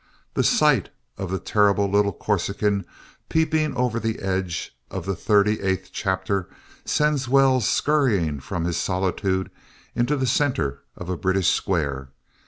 The sight of the terrible little Corsican peeping over the edge of the thirty eighth chapter sends Wells scurrying from his solitude into the center of a British square.